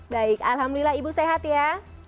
baik alhamdulillah ibu sehat ya